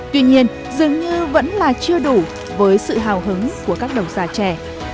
tuy nhiên dường như vẫn là chưa đủ với sự hào hứng của các đồng giả trẻ